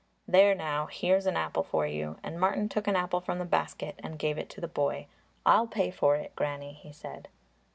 "There now, here's an apple for you," and Martin took an apple from the basket and gave it to the boy. "I'll pay for it, Granny," he said.